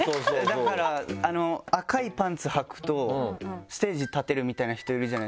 だから赤いパンツはくとステージに立てるみたいな人いるじゃないですか。